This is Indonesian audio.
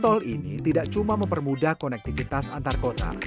tol ini tidak cuma mempermudah konektivitas antarabangsa